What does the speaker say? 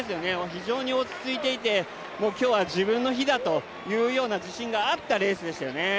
非常に落ち着いていて今日は自分の日だというような自信があったレースでしたね。